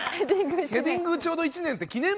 ヘディングちょうど１年って記念日なん？